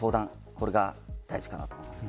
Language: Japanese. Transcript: これが大事だと思います。